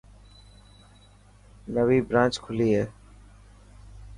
نوي برانچ کلي هي.